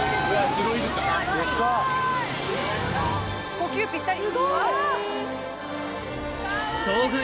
呼吸ぴったり。